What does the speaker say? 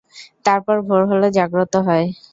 তারপর ভোর হলে জাগ্রত হয়।